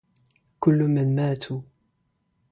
كل من ماتوا